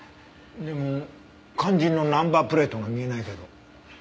でも肝心のナンバープレートが見えないけど。